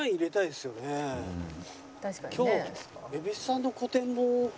今日。